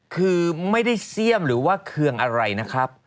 คือไม่ได้เสี่ยมหรือว่าเคืองอะไรนะครับ